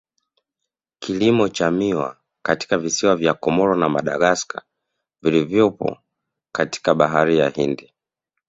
Kilimo cha miwa katika visiwa vya Comoro na Madagascar vilivyopo katika bahari ya Hindi